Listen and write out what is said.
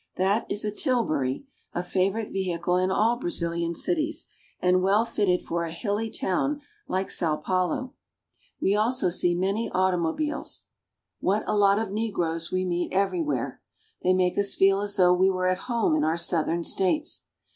That is a tilbury, a favorite vehicle in all Brazilian cities, and well fitted for a hilly town like Sao Paulo. We see also many automobiles. THE LAND OF COFFEE. 257 What a lot of negroes we meet everywhere! They make us feel as though we were at home in our southern States.